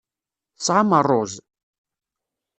Tesɛam ṛṛuz?